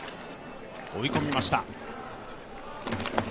追い込みました。